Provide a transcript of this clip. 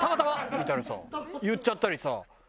みたいなさ言っちゃったりさ。